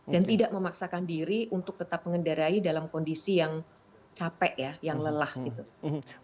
dan tidak memaksakan diri untuk tetap mengendarai dalam kondisi yang capek ya yang lelah gitu